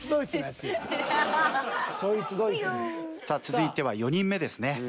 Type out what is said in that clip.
さあ続いては４人目ですね。